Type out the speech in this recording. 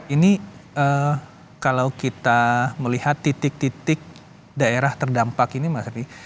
ini kalau kita melihat titik titik daerah terdampak ini mas ri